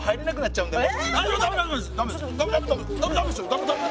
ダメダメ。